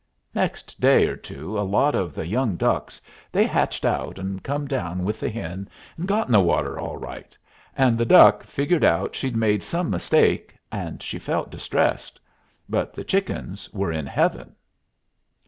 Next day or two a lot of the young ducks, they hatched out and come down with the hen and got in the water all right, and the duck figured out she'd made some mistake, and she felt distressed. But the chickens were in heaven."